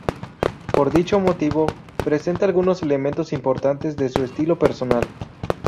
Por dicho motivo, presenta algunos elementos importantes de su estilo personal.